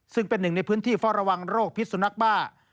ซึ่งเป็นหนึ่งในพื้นที่เฝ้าระวังโรคพิษสุนัขบ้า